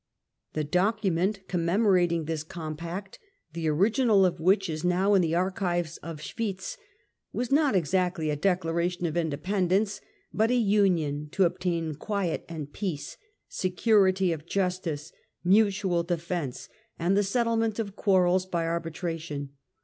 I29i The document commemorating this compact, the ori ginal of which is now in the Archives of Schwitz, was not exactly a declaration of independence, but a union to obtain quiet and peace, security of justice, mutual defence, and the settlement of quarrels by arbitration.